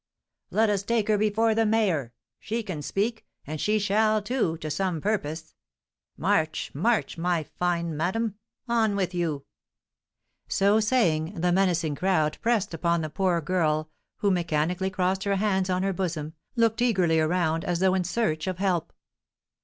"Let us take her before the mayor! She can speak; and she shall, too, to some purpose. March, march, my fine madam! On with you!" So saying, the menacing crowd pressed upon the poor girl, who, mechanically crossing her hands on her bosom, looked eagerly around, as though in search of help.